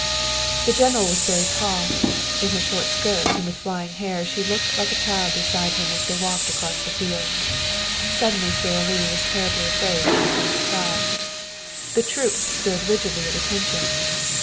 The general was very tall. In her short skirt and with flying hair she looked like a child beside him as they walked across the fields. Suddenly Sara Lee was terribly afraid she was going to cry. The troops stood rigidly at attention.